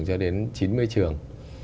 cho đến chín mươi trường